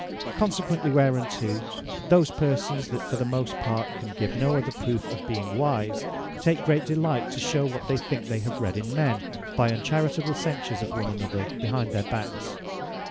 Consequently whereunto, those persons, that for the most part can give no other proof of being wise, take great delight to shew what they think they have read in men, by uncharitable censures of one another behind their backs.